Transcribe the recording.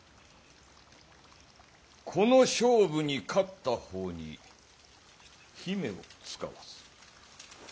この勝負に勝った方に姫を遣わす。